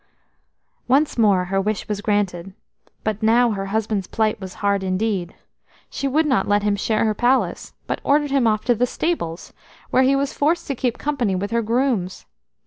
Once more her wish was granted, but now her husband's plight was hard indeed. She would not let him share her palace, but ordered him off to the stables, where he was forced to keep company with her grooms.